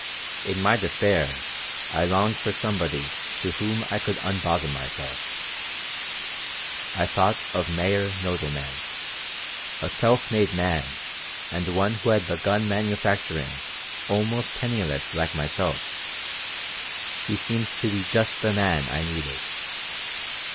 In my despair I longed for somebody to whom I could unbosom myself. I thought of Meyer Nodelman. A self made man and one who had begun manufacturing almost penniless like myself, he seemed to be just the man I needed.